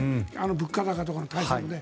物価高とかの対策で。